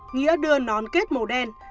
nghĩa đưa nón kết màu đen